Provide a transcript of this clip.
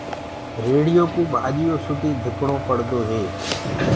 ريڙهيو ڪوُ ڀآڃيو سُدي ڌڪڻو پڙدو هي۔